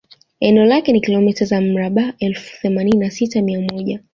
Eneo lake ni kilometa za mraba elfu themanini na sita mia moja